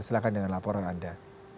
silahkan dengan laporan anda